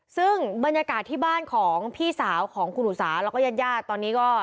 ซึ่งบรรยากาศที่บ้านของพี่สาวของคุณอุสาแล้วก็ญาติญาติตอนนี้ก็